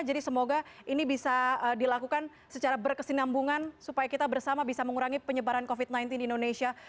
jadi semoga ini bisa dilakukan secara berkesinambungan supaya kita bersama bisa mengurangi penyebaran covid sembilan belas di indonesia